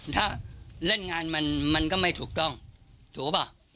ถ้าเล่นงานมันก็ไม่ถูกต้องถูกป่ะ